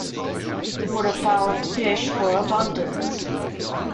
Water fowl and fish were abundant.